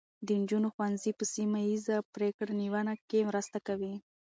د نجونو ښوونځي په سیمه ایزه پرېکړه نیونه کې مرسته کوي.